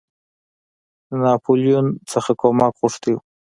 ناپولیون څخه کومک غوښتی وو.